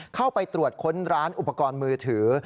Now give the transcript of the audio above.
เข้าไปตรวจค้นร้านอุปกรณ์มือถือ